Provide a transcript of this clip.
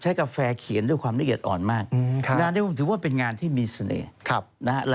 กาแฟเขียนด้วยความละเอียดอ่อนมากงานนี้ผมถือว่าเป็นงานที่มีเสน่ห์นะฮะ